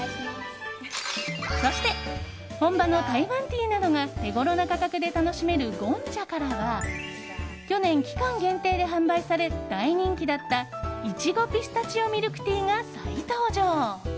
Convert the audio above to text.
そして、本場の台湾ティーなどが手ごろな価格で楽しめるゴンチャからは去年、期間限定で販売され大人気だったいちごピスタチオミルクティーが再登場。